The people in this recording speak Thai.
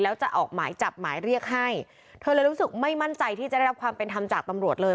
แล้วจะออกหมายจับหมายเรียกให้เธอเลยรู้สึกไม่มั่นใจที่จะได้รับความเป็นธรรมจากตำรวจเลย